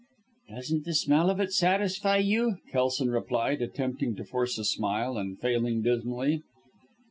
"Doesn't the smell of it satisfy you?" Kelson replied, attempting to force a smile, and failing dismally.